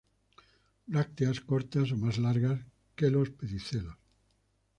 Brácteas cortas o más largas que los pedicelos.